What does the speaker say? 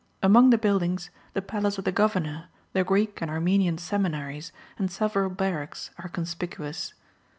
Among the buildings the Palace of the governor, the Greek and Armenian seminaries, and several barracks are conspicuous.